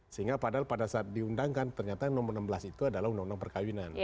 sehingga padahal pada saat diundangkan ternyata nomor enam belas itu adalah undang undang perkawinan